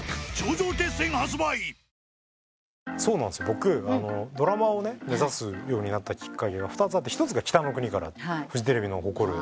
僕ドラマを目指すようになったきっかけが２つあって１つが『北の国から』フジテレビの誇る。